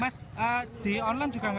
sempat rizik tadi mas